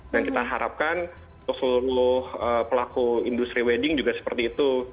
dan kita harapkan untuk seluruh pelaku industri wedding juga seperti itu